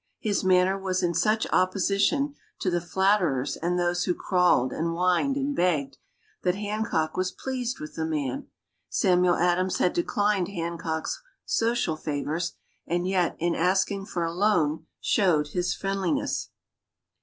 His manner was in such opposition to the flatterers and those who crawled, and whined, and begged, that Hancock was pleased with the man. Samuel Adams had declined Hancock's social favors, and yet, in asking for a loan, showed his friendliness.